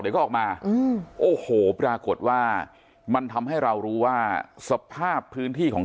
เดี๋ยวก็ออกมาโอ้โหปรากฏว่ามันทำให้เรารู้ว่าสภาพพื้นที่ของ